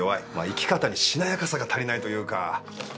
生き方にしなやかさが足りないというか。